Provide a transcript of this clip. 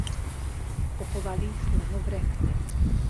Pochovali jsme ho v Rechci.